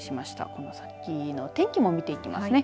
この先の天気も見ていきますね。